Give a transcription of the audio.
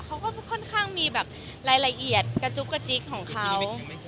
เขาก็ค่อนข้างมีแบบรายละเอียดกระจุกกระจิ๊กของเขา